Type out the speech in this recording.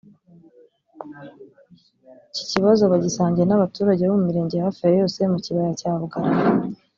Iki kibazo bagisangiye n’abaturage bo mu mirenge hafi ya yose yo mu kibaya cya Bugarama